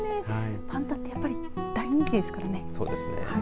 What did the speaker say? パンダってやっぱり大人気ですからね。